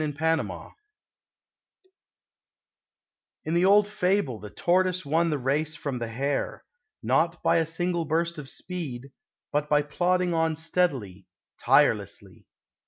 GRADATIM In the old fable the tortoise won the race from the hare, not by a single burst of speed, but by plodding on steadily, tirelessly.